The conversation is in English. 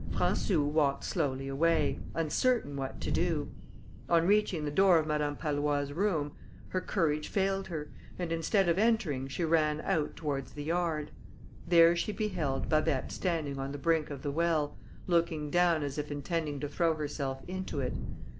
Françou walked slowly away, uncertain what to do. On reaching the door of Madame Pallois's room, her courage failed her, and instead of entering she ran out towards the yard. There she beheld Babet standing on the brink of the well, looking down as if intending to throw herself into it.